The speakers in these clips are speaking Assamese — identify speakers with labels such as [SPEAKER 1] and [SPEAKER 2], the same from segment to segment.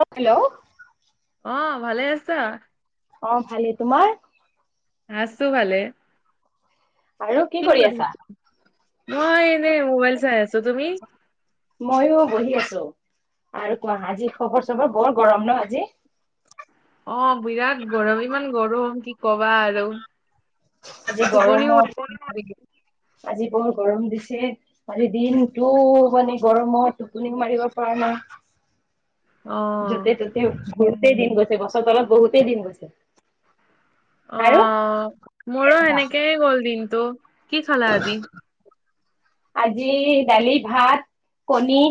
[SPEAKER 1] এ হেল্ল'
[SPEAKER 2] অহ ভালে আছা
[SPEAKER 1] অহ ভালেই তোমাৰ
[SPEAKER 2] আছো ভালে
[SPEAKER 1] আৰু কি কৰি আছা
[SPEAKER 2] মই এনেই মোবাইল চাই আছো তুমি
[SPEAKER 1] মইয়ো বহি আৰু কোৱা আজি খবৰ চবৰ বৰ গৰম ন আজি
[SPEAKER 2] অহ বিৰাট গৰম ইমান গৰম কি কবা আৰু
[SPEAKER 1] আজি
[SPEAKER 2] টোপনিও
[SPEAKER 1] গৰমৰ
[SPEAKER 2] মাৰিব নোৱাৰি।
[SPEAKER 1] ওপৰত আজি বৰ গৰম দিছে আজি দিনটো মানে গৰমত টোপনি মাৰিব পৰা নাই
[SPEAKER 2] অ
[SPEAKER 1] য'তে ততে ঘুৰোতে দিন গৈছে গছৰ তলত বহোতেই দিন গৈছে আৰু
[SPEAKER 2] অহ মোৰো সেনেকেই গ'ল দিনটো কি খালা আজি
[SPEAKER 1] আজি দালি ভাত কণী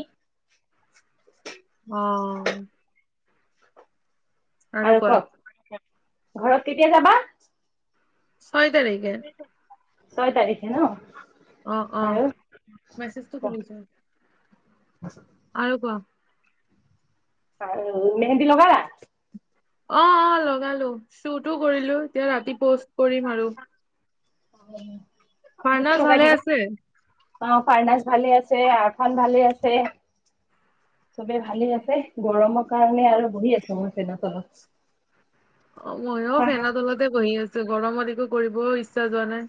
[SPEAKER 2] অহ আৰু কোৱা
[SPEAKER 1] ঘৰত কেতিয়া যাবা
[SPEAKER 2] ছয় তাৰিখে
[SPEAKER 1] ছয় তাৰিখে ন
[SPEAKER 2] অহ অহ
[SPEAKER 1] আৰু
[SPEAKER 2] মেছেজটো খুলি চোৱা আৰু কোৱা
[SPEAKER 1] [unintelligible] মেহেন্দী লগালা
[SPEAKER 2] অহ অহ লগালো শ্বুট ও কৰিলো এতিয়া ৰাতি পষ্ট কৰিম আৰু
[SPEAKER 1] [unintelligible]
[SPEAKER 2] পাৰ্লাছ ভালে আছে
[SPEAKER 1] অহ পাৰ্ণাছ ভালে আছে আৰ্ঠান ভালে আছে চবে ভালে আছে গৰমৰ কাৰণে আৰু বহি আছো মই ফেনৰ তলছ্
[SPEAKER 2] অহ ময়ো ফেন তলতে বহি আছো গৰমত একো কৰিবও ইচ্ছা ইচ্ছা যোৱা নাই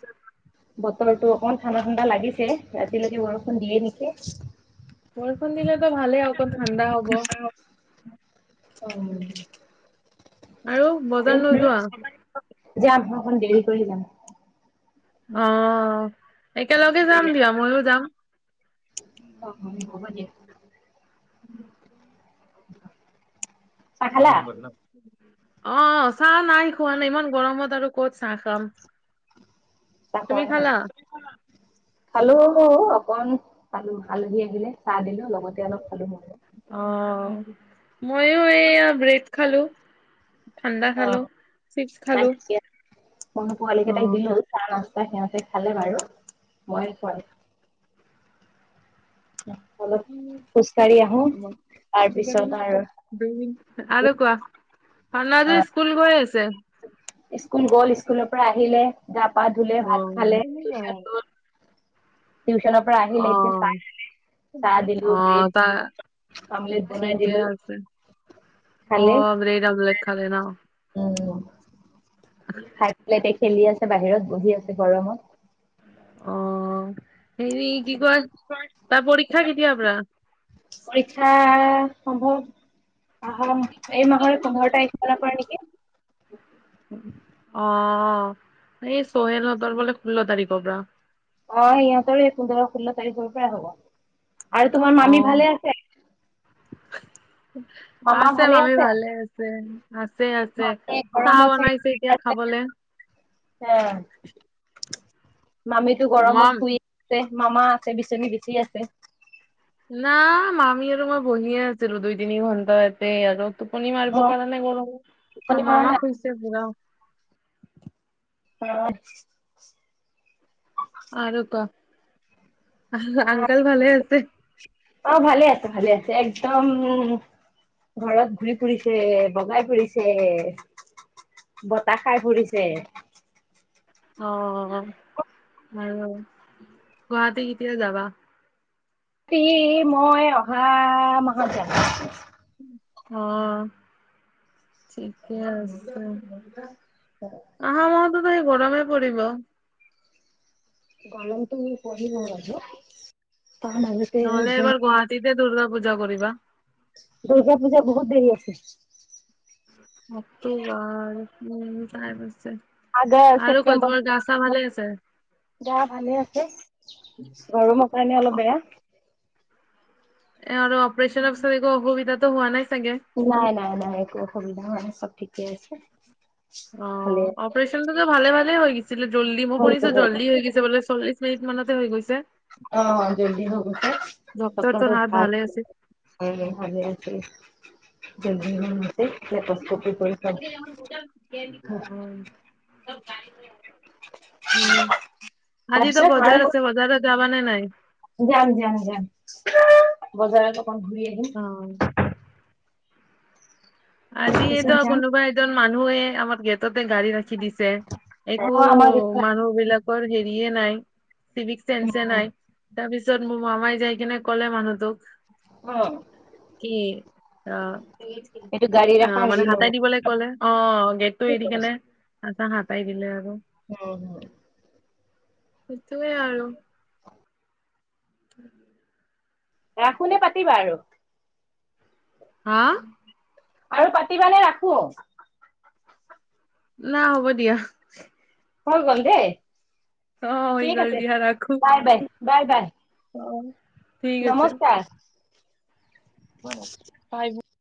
[SPEAKER 1] অকন ঠাণ্ডা ঠাণ্ডা লাগিছে ৰাতিলেকে বৰষুণ দিয়ে নেকি
[SPEAKER 2] বৰষুণ দিলেতো ভালে অকণ ঠাণ্ডা হব
[SPEAKER 1] অহ
[SPEAKER 2] আৰু বজাৰ
[SPEAKER 1] আৰু
[SPEAKER 2] নোযোৱা
[SPEAKER 1] যাম অকন দেৰি কৰি যাম
[SPEAKER 2] অ একেলগে যাম দিয়া ময়ো যাম
[SPEAKER 1] অ [unintelligible] [unintelligible]
[SPEAKER 2] কিমান নম্বৰ ন অ চাহ নাই খোৱা নাই ইমান গৰমত আৰু কত চাহ খাম
[SPEAKER 1] চাহ
[SPEAKER 2] তুমি
[SPEAKER 1] খোৱা নাই
[SPEAKER 2] খালা
[SPEAKER 1] খালো অ অকন খালো আলহি আহিলে চাহ দিলো লগতে অলপ খালো মইও
[SPEAKER 2] মইয়ো এইয়া ব্ৰেড খালো। ঠাণ্ডা
[SPEAKER 1] অ
[SPEAKER 2] খালো চিপছ খালো।
[SPEAKER 1] মই পোৱালি
[SPEAKER 2] অ
[SPEAKER 1] কেইটাক দিলো চাহ নাস্তা সিহঁতে খালে বাৰু মই খোৱা অলপ
[SPEAKER 2] উম
[SPEAKER 1] খোজকাঢ়ি
[SPEAKER 2] এ
[SPEAKER 1] আহো
[SPEAKER 2] থাকিব কেইটাদিন
[SPEAKER 1] তাৰপিছত আৰু
[SPEAKER 2] দুইদিন আৰু কোৱা
[SPEAKER 1] অ
[SPEAKER 2] অননাজু স্কুল গৈ আছে।
[SPEAKER 1] স্কুল গ'ল স্কুলৰ পৰা আহিলে গা পা ধুলে
[SPEAKER 2] অ
[SPEAKER 1] ভাত খালে টিউচন গল টিউচনৰ পৰা
[SPEAKER 2] অ
[SPEAKER 1] আহিলে এতিয়া চাহ খালে
[SPEAKER 2] অ তা
[SPEAKER 1] আমলেট বনাই
[SPEAKER 2] ঠিকে
[SPEAKER 1] দিলো
[SPEAKER 2] আছে। অ
[SPEAKER 1] খালে
[SPEAKER 2] ব্ৰেড আমলেট খালে ন
[SPEAKER 1] উম খাই পেলাই এতিয়া খেলি আছে বাহিৰত বহি আছে গৰমত
[SPEAKER 2] অ হেৰি কি কয় তাৰ পৰীক্ষা কেতিয়া পৰা।
[SPEAKER 1] পৰীক্ষা সম্ভৱ আহা এই মাহৰে পোন্ধৰ তাৰিখ মানৰ পৰা নিকি
[SPEAKER 2] অ এই চহেলহতৰ বোলে ষোল্ল তাৰিখৰ পৰা
[SPEAKER 1] অ ইহঁতৰো এ পোন্ধৰ ষোল্ল তাৰিখৰ পৰাই হব আৰু তোমাৰ মামী
[SPEAKER 2] অ'
[SPEAKER 1] ভালে আছে।
[SPEAKER 2] আছে মামী ভালে আছে। আছে আছে
[SPEAKER 1] মামীয়ে
[SPEAKER 2] চাহ
[SPEAKER 1] গৰমত চাগে
[SPEAKER 2] বনাইছে
[SPEAKER 1] শুই
[SPEAKER 2] এতিয়া
[SPEAKER 1] আছে।
[SPEAKER 2] খাবলে।
[SPEAKER 1] মামীটো গৰমত
[SPEAKER 2] মাম
[SPEAKER 1] শুই আছে মামা আছে বিচনী বিচি আছে।
[SPEAKER 2] না মামী আৰু মই বহিয়ে আছিলো দুই তিনি ঘন্টা ইতেই আৰু টোপনি মাৰিব
[SPEAKER 1] অ'
[SPEAKER 2] পৰা নাই গৰমত
[SPEAKER 1] টোপনি
[SPEAKER 2] আৰু
[SPEAKER 1] মৰা
[SPEAKER 2] মামা
[SPEAKER 1] নাই?
[SPEAKER 2] শুইছে পোৰা।
[SPEAKER 1] অ
[SPEAKER 2] আৰু ক আ আংকাল ভালে আছে।
[SPEAKER 1] অ ভালে আছে ভালে আছে একদম ঘৰত ঘূৰি ফুৰিছে বগাই ফুৰিছে বতাহ খাই ফুৰিছে
[SPEAKER 2] অ আৰু গুৱাহাটী কেতিয়া যাবা।
[SPEAKER 1] সি মই অহা মাহত যাম
[SPEAKER 2] অ ঠিকে আছে আহা মাহত টোত হে গৰমে পৰিব।
[SPEAKER 1] গলমটো পঢ়িব লাগে
[SPEAKER 2] নহলে এইবাৰ গুৱাহাটীতে দুৰ্গা পূজা কৰিবা
[SPEAKER 1] দুৰ্গা পূজা বহুত দেৰি আছে।
[SPEAKER 2] মোক তো ৱাৰ উম টাইম আছে
[SPEAKER 1] আগষ্ট
[SPEAKER 2] আৰু ক
[SPEAKER 1] ছেপ্তেম্বৰ
[SPEAKER 2] তোমাৰ গা চা ভালে আছে।
[SPEAKER 1] গা ভালে আছে গৰমৰ কাৰণে অলপ বেয়া।
[SPEAKER 2] এ আৰু অপৰেচন পিছত একো অসুবিধাটো হোৱা নাই চাগে?
[SPEAKER 1] নাই নাই নাই একো অসুবিধা হোৱা নাই চব ঠিকে আছে।
[SPEAKER 2] অ
[SPEAKER 1] ভালে
[SPEAKER 2] অপাৰেচনটোত ভালে ভালে হৈ গেছে। আছিলে জল্দি মই শুনিছো
[SPEAKER 1] আছে।
[SPEAKER 2] জল্দি হৈ গৈছে বোলে চল্লিশ মিনিট মানতে হৈ গৈছে।
[SPEAKER 1] অ জলদি হৈ গৈছে
[SPEAKER 2] ডক্তৰটোৰ
[SPEAKER 1] সত্ৰটো
[SPEAKER 2] হাত
[SPEAKER 1] ভাল
[SPEAKER 2] ভালে আছিল।
[SPEAKER 1] অ ভালে আছে জল্দি হৈ গৈছে লেপছ্কপি কৰি চব হা
[SPEAKER 2] অ', উম আজি ত
[SPEAKER 1] তাৰপিছত আৰু
[SPEAKER 2] বজাৰ আছে বজাৰত যাবা নে নাই
[SPEAKER 1] অ যাম যাম বজাৰত অকন ঘূৰি
[SPEAKER 2] অ',
[SPEAKER 1] আহিম
[SPEAKER 2] আজি এটা
[SPEAKER 1] পিছত যাম
[SPEAKER 2] কোনোবা এজন মানুহে আমাৰ গেত তাতে গাড়ী ৰাখি দিছে একো
[SPEAKER 1] অ আমাৰ
[SPEAKER 2] মানুহ বিলাকৰ হেৰিয়ে নাই চিভিক সেঞ্চে নাই তাৰপিছত মোৰ মামাই যাই কিনে ক'লে মানুহটোক
[SPEAKER 1] অ
[SPEAKER 2] কি অহ
[SPEAKER 1] এইটো গাড়ী
[SPEAKER 2] অ
[SPEAKER 1] ৰাখা
[SPEAKER 2] মানে
[SPEAKER 1] হেৰি
[SPEAKER 2] হাতাই
[SPEAKER 1] নহয়
[SPEAKER 2] দিবলে কলে অ গেটটো এৰি কেনে তাছত হাতাই দিলে আৰু
[SPEAKER 1] হুম হুম
[SPEAKER 2] সেইটোৱে আৰু [unintelligible]
[SPEAKER 1] ৰাখোনে পাতিবা আৰু
[SPEAKER 2] হা
[SPEAKER 1] আৰু পাতিবা নে ৰাখো
[SPEAKER 2] না হ'ব দিয়া
[SPEAKER 1] হৈ গল দেই
[SPEAKER 2] অ হৈ
[SPEAKER 1] ঠিক
[SPEAKER 2] গ'ল
[SPEAKER 1] আছে
[SPEAKER 2] দিয়া ৰাখো।
[SPEAKER 1] বাই বাই বাই বাই
[SPEAKER 2] অ ঠিক আছে
[SPEAKER 1] নমস্কাৰ
[SPEAKER 2] বাই